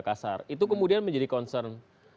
kasar itu kemudian menjadi concern